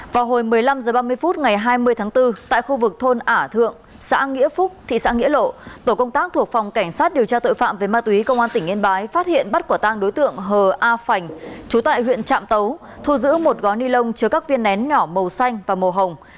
vào hồi một mươi năm h ba mươi phút ngày hai mươi tháng bốn tại khu vực thôn ả thượng xã nghĩa phúc thị xã nghĩa lộ tổ công tác thuộc phòng cảnh sát điều tra tội phạm về ma túy công an tỉnh yên bái phát hiện bắt quả tang đối tượng hờ a phành trú tại huyện trạm tấu thu giữ một gói ni lông chứa các viên nén nhỏ màu xanh và màu hồng